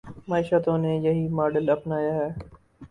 معیشتوں نے یہی ماڈل اپنایا ہے۔